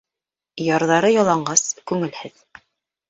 Ярҙары яланғас, күңелһеҙ.